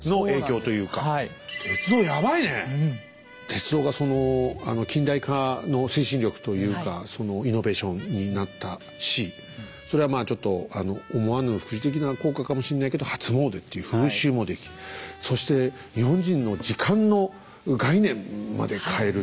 鉄道がその近代化の推進力というかそのイノベーションになったしそれはまあちょっと思わぬ副次的な効果かもしれないけど初詣っていう風習も出来そして日本人の時間の概念まで変えるっていう。